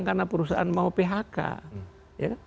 karena perusahaan itu masih berkembang tidak mau phk